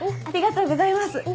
ありがとうございます。